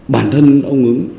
bản thân ông ứng